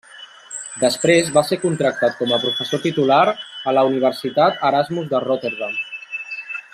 Després va ser contractat com a professor titular a la Universitat Erasmus de Rotterdam.